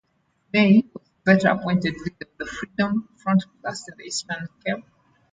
Mey was later appointed leader of the Freedom Front Plus in the Eastern Cape.